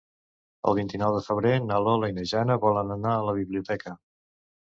El vint-i-nou de febrer na Lola i na Jana volen anar a la biblioteca.